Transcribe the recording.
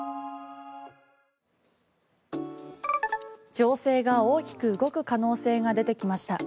情勢が大きく動く可能性が出てきました。